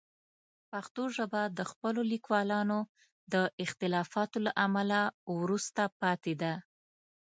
پښتو ژبه د خپلو لیکوالانو د اختلافاتو له امله وروسته پاتې ده.